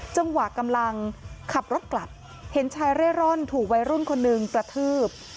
จังหวะกำลังขับรถกลับเห็นชายเร่ร่อนถูกวัยรุ่นคนหนึ่งกระทืบ